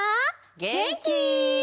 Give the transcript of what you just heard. げんき？